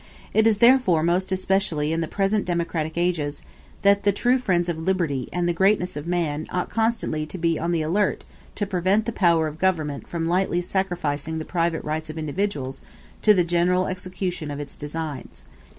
It is therefore most especially in the present democratic ages, that the true friends of the liberty and the greatness of man ought constantly to be on the alert to prevent the power of government from lightly sacrificing the private rights of individuals to the general execution of its designs.